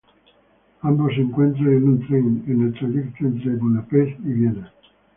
Ambos se encuentran en un tren, en el trayecto entre Budapest y Viena.